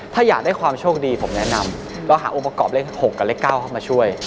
ถ้าอยากได้ความโชคดีผมแนะนำเราหาองค์ประกอบเลข๖กับเลข๙เข้ามาช่วย